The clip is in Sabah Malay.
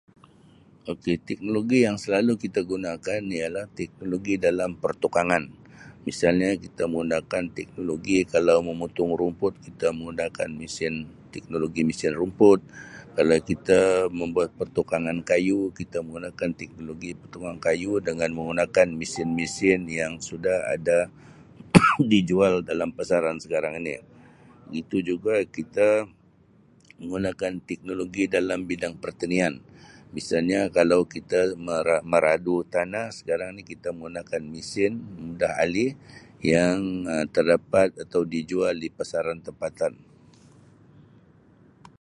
Okay, teknologi yang selalu kita gunakan ialah teknologi dalam pertukangan misalnya kita menggunakan teknologi kalau memotong rumput kita menggunakan mesin-teknologi mesin rumput. Kalau kita membuat pertukangan kayu kita menggunakan teknologi pertukangan kayu dengan menggunakan mesin-mesin yang sudah ada dijual dalam pasaran sekarang ini begitu juga kita menggunakan teknologi dalam bidang pertanian misalnya kalau kita marah-meragu tanah sekarang ni kita menggunakan mesin mudah alih yang Um terdapat atau dijual di pasaran tempatan.